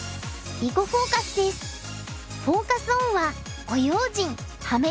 「囲碁フォーカス」です。